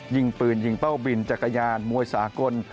ยิงปืนยิงเป้าบินจักรยานมวยสากล